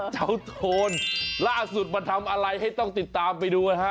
โทนล่าสุดมันทำอะไรให้ต้องติดตามไปดูนะฮะ